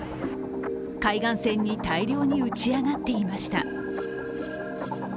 海岸線に大量に打ち上がっていました。